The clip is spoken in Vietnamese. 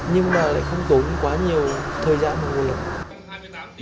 nhưng mà lại không tốn quá nhiều thời gian một nguồn lực